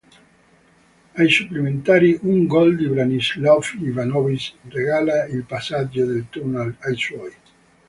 Ai supplementari un gol di Branislav Ivanović regala il passaggio del turno ai suoi.